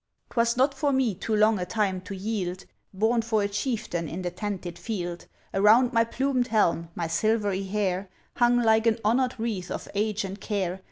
'Twas not for me, too long a time to yield! Born for a chieftain in the tented field! Around my plumed helm, my silvery hair Hung like an honour'd wreath of age and care!